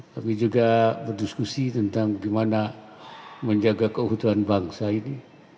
tapi juga berdiskusi tentang bagaimana menjaga keutuhan bangsa ini